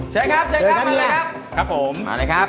เชคครับมาเลยครับ